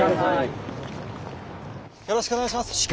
よろしくお願いします。